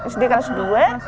sd kelas dua